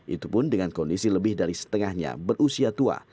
itu pun dengan kondisi lebih dari setengahnya berusia tua